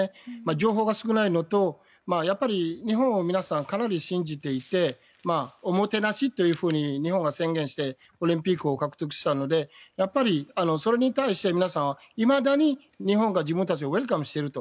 情報が少ないのと日本を皆さんかなり信じていておもてなしというふうに日本は宣言してオリンピックを獲得したのでやっぱりそれに対して皆さんはいまだに日本は自分たちをウェルカムしていると。